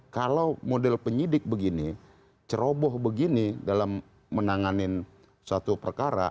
kalau model penyidik begini ceroboh begini dalam menanganin satu perkara